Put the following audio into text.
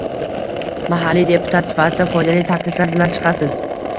Mahalliy deputat sifatida foydali takliflar bilan chiqasiz